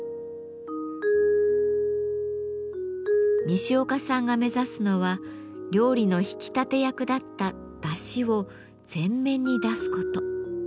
西岡さんが目指すのは料理の引き立て役だっただしを前面に出すこと。